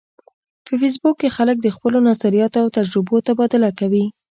په فېسبوک کې خلک د خپلو نظریاتو او تجربو تبادله کوي